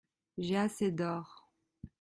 J’ai assez d’or.